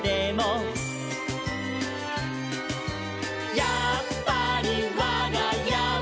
「やっぱりわがやは」